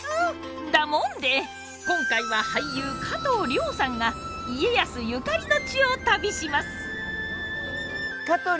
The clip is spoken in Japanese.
だもんで今回は俳優加藤諒さんが家康ゆかりの地を旅します。